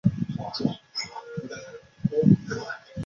是室町时代幕府三管领之一。